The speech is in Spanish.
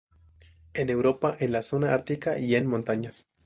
En Europa en la zona ártica y en montañas.